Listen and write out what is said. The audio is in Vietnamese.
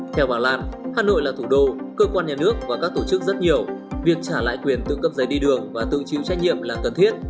theo bà lan hà nội là thủ đô cơ quan nhà nước và các tổ chức rất nhiều việc trả lại quyền tự cấp giấy đi đường và tự chịu trách nhiệm là cần thiết